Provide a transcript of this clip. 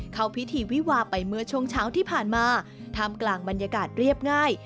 เข้าพิธีวิวาไปเมื่อช่วงเช้าที่ผ่านมาท่ามกลางบรรยากาศเรียบง่าย